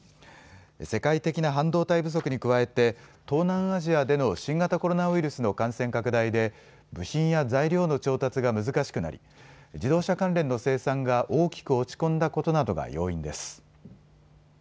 世界的な半導体不足に加えて東南アジアでの新型コロナウイルスの感染拡大で部品や材料の調達が難しくなり自動車関連の生産が大きく落ち込んだことなどが要因です。